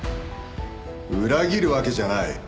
裏切るわけじゃない。